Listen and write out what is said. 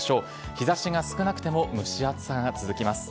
日ざしが少なくても蒸し暑さが続きます。